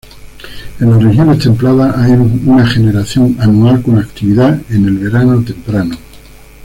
En las regiones templadas hay una generación anual con actividad en el verano temprano.